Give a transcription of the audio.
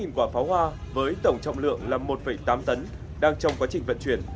hơn một mươi tám quả pháo hoa với tổng trọng lượng là một tám tấn đang trong quá trình vận chuyển